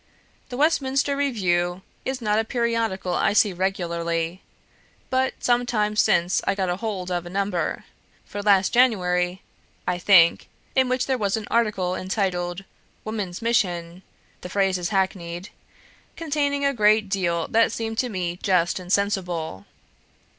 The Westminster Review is not a periodical I see regularly, but some time since I got hold of a number for last January, I think in which there was an article entitled 'Woman's Mission' (the phrase is hackneyed), containing a great deal that seemed to me just and sensible.